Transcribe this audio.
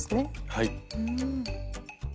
はい。